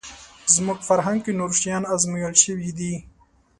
زموږ فرهنګ کې نور شیان ازمویل شوي دي